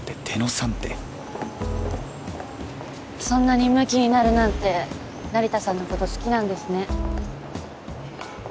そんなにムキになるなんて成田さんのこと好きなんですね。